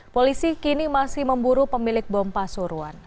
polisi kini masih memburu pemilik bom pasuruan